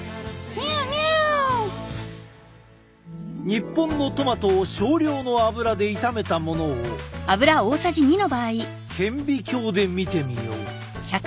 日本のトマトを少量の油で炒めたものを顕微鏡で見てみよう。